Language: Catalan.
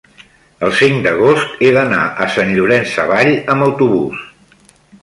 el cinc d'agost he d'anar a Sant Llorenç Savall amb autobús.